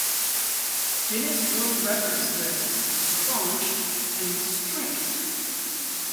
"Guinness World Records" lists "scraunched" and "strengthed".